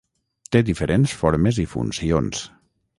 Té diferents formes i funcions.